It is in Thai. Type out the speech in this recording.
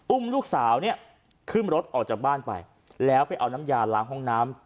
ลูกสาวเนี่ยขึ้นรถออกจากบ้านไปแล้วไปเอาน้ำยาล้างห้องน้ำ